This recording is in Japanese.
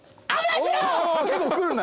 結構来るんだな。